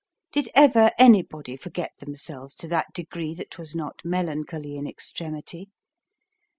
Did ever anybody forget themselves to that degree that was not melancholy in extremity?